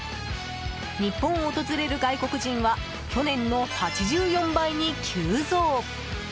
日本を訪れる外国人は去年の８４倍に急増！